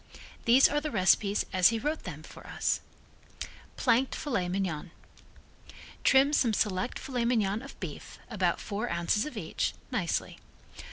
These are the recipes as he wrote them for us: Planked Fillet Mignon Trim some select fillet mignon of beef, about four ounces of each, nicely.